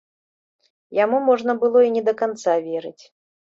Яму можна было і не да канца верыць.